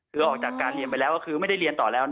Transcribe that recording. คือออกจากการเรียนไปแล้วก็คือไม่ได้เรียนต่อแล้ว